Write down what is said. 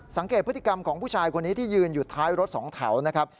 สังเกตพฤติกรรมของผู้ชายคนนี้ที่ยืนอยู่ท้ายรถสองแถวนะครับ